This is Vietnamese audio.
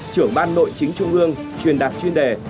trưởng ban nội chính trung ương truyền đạt chuyên đề